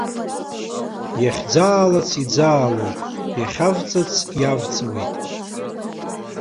Иахьӡаалац иӡаалоит, иахьавҵыц иавҵуеит.